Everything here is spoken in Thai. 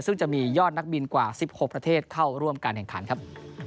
ซึ่งจะมียอดนักบินกว่า๑๖ประเทศเข้าร่วมการแข่งขันครับ